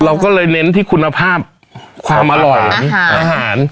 เราก็เลยเน้นที่คุณภาพความอร่อยอาหาร